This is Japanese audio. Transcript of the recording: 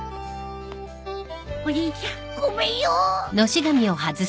おじいちゃんごめんよ